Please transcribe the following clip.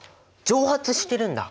蒸発してるんだ！